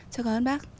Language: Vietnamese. chào cảm ơn bác